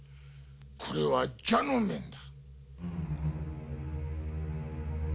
これは蛇の面だ。